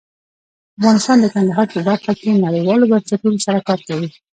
افغانستان د کندهار په برخه کې نړیوالو بنسټونو سره کار کوي.